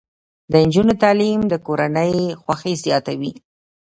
د نجونو تعلیم د کورنۍ خوښۍ زیاتوي.